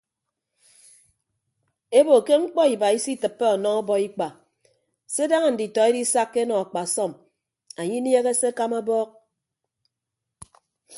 Ebo ke mkpọ iba isitịppe ọnọ ọbọikpa se daña nditọ edisakka enọ akpasọm anye inieehe se akama abọọk.